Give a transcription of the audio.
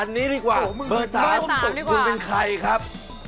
อันนี้ดีกว่าเบอร์๓คุณเป็นใครครับ